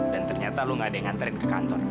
dan ternyata lo gak ada yang nganterin ke kantor